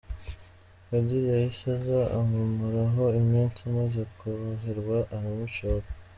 Kadili yahise aza amumaraho iminsi amaze koroherwa aramucyura.